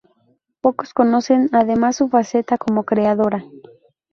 Pocos conocen además su faceta como creadora.